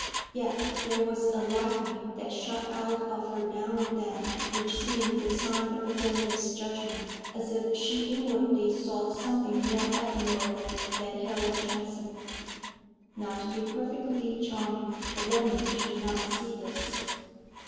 Yet there was a lightning that shot out of her now and then, which seemed the sign of a dangerous judgment; as if she inwardly saw something more admirable than Harold Transome. Now, to be perfectly charming, a woman should not see this.